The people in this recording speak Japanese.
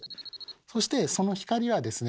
そしてその光はですね